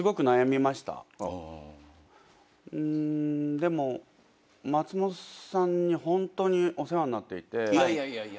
でも松本さんにホントにお世話になっていて。